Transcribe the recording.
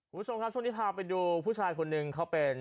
คุณผู้ชมครับช่วงนี้พาไปดูผู้ชายคนหนึ่งเขาเป็น